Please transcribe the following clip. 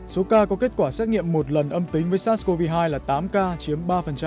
số ca có kết quả xét nghiệm một lần âm tính với sars cov hai là tám ca chiếm ba